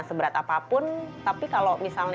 seberat apapun tapi kalau misalnya